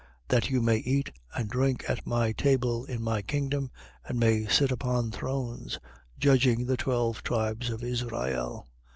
That you may eat and drink at my table, in my kingdom: and may sit upon thrones, judging the twelve tribes of Israel.